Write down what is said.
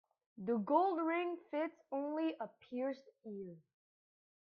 The gold ring fits only a pierced ear.